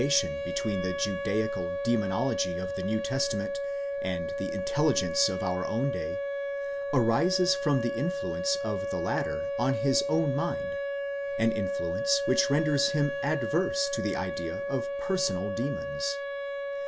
421 tion between the Judaical demonology of the New Testament and the intelli gence of our own day, arises from the influence of the latter on his own mind—an influence which renders him adverse to the idea of personal demons.